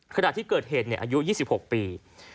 ขณะที่เกิดเหตุอายุ๒๖ปี